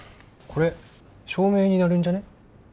これ証明になるんじゃね？